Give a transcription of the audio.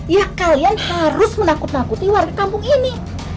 ya kalian harus menakut nakuti warga kampung ini